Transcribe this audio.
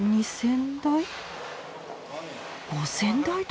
１，０００台？